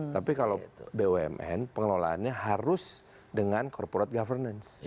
tapi kalau bumn pengelolaannya harus dengan corporate governance